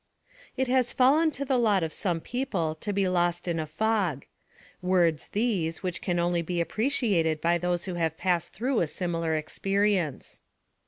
It has fallen to the lot of some people to be lost in a fog words, these, which can only be appreciated by those who have passed through a similar experience.